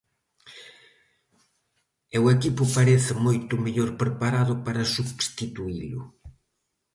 E o equipo parece moito mellor preparado para substituílo.